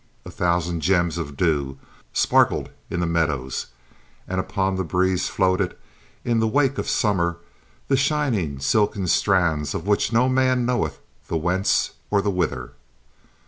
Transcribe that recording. A thousand gems of dew sparkled in the meadows, and upon the breeze floated, in the wake of summer, the shining silken strands of which no man knoweth the whence or the whither.